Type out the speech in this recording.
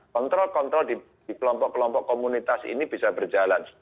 kontrol kontrol di kelompok kelompok komunitas ini bisa berjalan